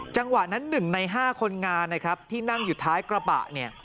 จังหวะนั้น๑ใน๕คนงานนะครับที่นั่งอยู่ท้ายกระบะเนี่ย